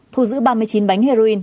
thu giữ ba mươi chín bánh heroin